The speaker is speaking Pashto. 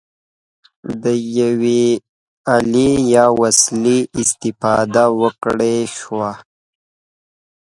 د یوې الې یا وسیلې استفاده وکړای شوه.